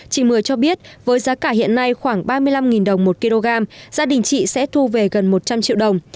chị mười cho biết với giá cả hiện nay khoảng ba mươi năm đồng một kg gia đình chị sẽ thu về gần một trăm linh triệu đồng